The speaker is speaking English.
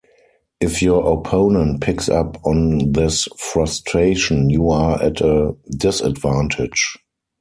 If your opponent picks up on this frustration, you are at a disadvantage.